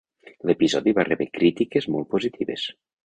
L'episodi va rebre crítiques molt positives.